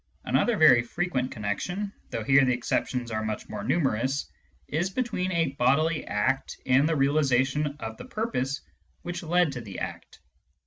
Another very frequent connection (though here the exceptions arc much more numerous) is between a bodily act and the realisation of the purpose which led to the act.